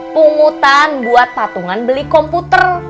pungutan buat patungan beli komputer